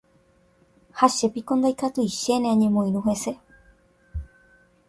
Ha chépiko ndaikatúi chéne añemoirũ hese.